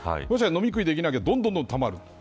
飲み食いできなきゃ、どんどんたまる。